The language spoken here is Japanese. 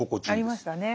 ありましたね。